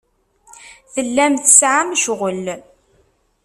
Tellam tesɛam ccɣel.